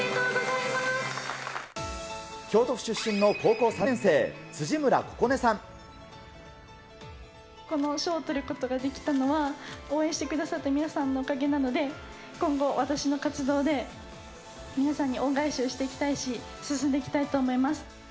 京都府出身の高校３年生、この賞をとることができたのは、応援してくださった皆さんのおかげなので、今後、私の活動で皆さんに恩返しをしていきたいし、進んでいきたいと思います。